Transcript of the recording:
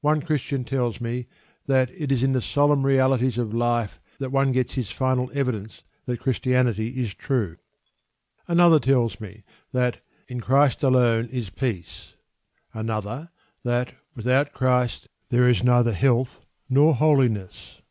One Christian tells me that "It is in the solemn realities of life that one gets his final evidence that Christianity is true." Another tells me that "In Christ alone is peace"; another, that "Without Christ there is neither health nor holiness."